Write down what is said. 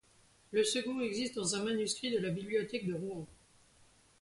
Le second existe dans un manuscrit de la Bibliothèque de Rouen.